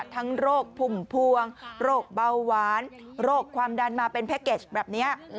โรคพุ่มพวงโรคเบาหวานโรคความดันมาเป็นแพ็กเกจแบบนี้